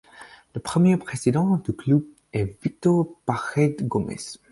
Le premier président du club est Victor Paredes Gómez.